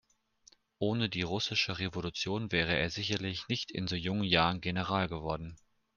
Ohne die Russische Revolution wäre er sicherlich nicht in so jungen Jahren General geworden.